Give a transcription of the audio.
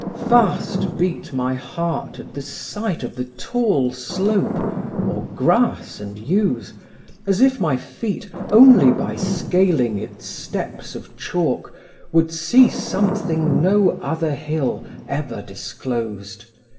Fast beat My heart at the sight of the tall slope Or grass and yews, as if my feet Only by scaling its steps of chalk Would see something no other hill Ever disclosed.